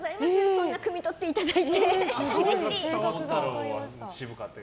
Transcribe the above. そんなくみ取っていただいて。